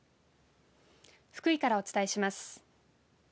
福井からお伝えします。